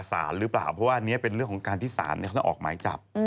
แต่เขาก็บอกว่าจะมีการประกันตัวมาหนึ่งแสนบาทนะฮะ